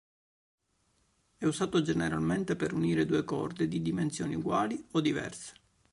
È usato generalmente per unire due corde di dimensioni uguali o diverse.